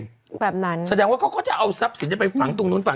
แต่มันกระจายอีกวัดอ่ะ